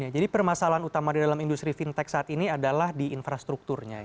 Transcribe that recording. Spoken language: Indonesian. jadi permasalahan utama di dalam industri fintech saat ini adalah di infrastrukturnya